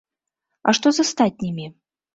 А што з астатнімі?